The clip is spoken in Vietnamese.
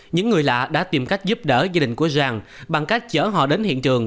những người lạ đã tìm cách giúp đỡ gia đình của giàng bằng cách chở họ đến hiện trường